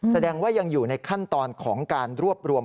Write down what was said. แสดงว่ายังอยู่ในขั้นตอนของการรวบรวม